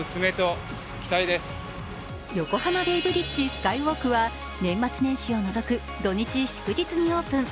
横浜ベイブリッジスカイウォークは年末年始を除く土日祝日にオープン。